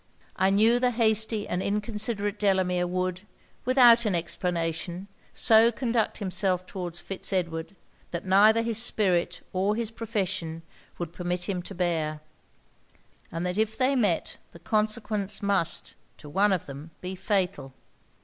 I knew the hasty and inconsiderate Delamere would, without an explanation, so conduct himself towards Fitz Edward, that neither his spirit or his profession would permit him to bear; and that if they met, the consequence must, to one of them, be fatal.